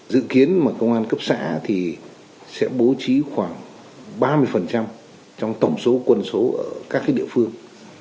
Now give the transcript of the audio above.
dự kiến mà công an cấp xã thì sẽ bố trí khoảng ba mươi trong tổng số quân số ở các địa phương